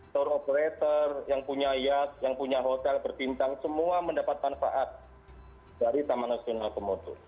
tour operator yang punya yas yang punya hotel berbintang semua mendapat manfaat dari taman nasional komodo